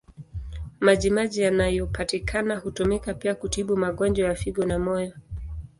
Maji maji yanayopatikana hutumika pia kutibu magonjwa ya figo na moyo.